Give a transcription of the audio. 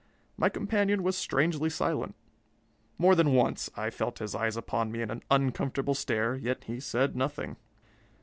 My companion was strangely silent. More than once I felt his eyes upon me in an uncomfortable stare, yet he said nothing.